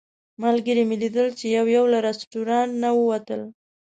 ملګري مې لیدل چې یو یو له رسټورانټ نه ووتل.